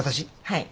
はい。